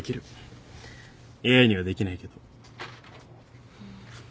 ＡＩにはできないけど。